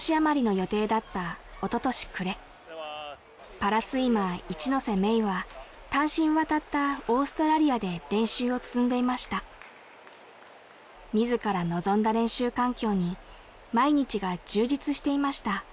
パラスイマー一ノ瀬メイは単身渡ったオーストラリアで練習を積んでいましたみずから望んだ練習環境に毎日が充実していました